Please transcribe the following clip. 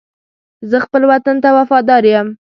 زه خپل وطن ته وفادار یم.